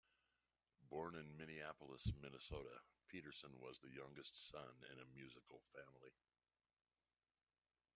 Born in Minneapolis, Minnesota, Peterson was the youngest son in a musical family.